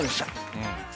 うん。